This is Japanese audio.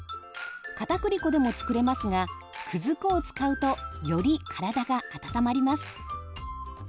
かたくり粉でも作れますがくず粉を使うとより体が温まります。